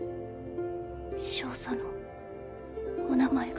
少佐のお名前が。